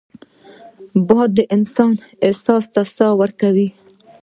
باد د انسان احساس ته ساه ورکوي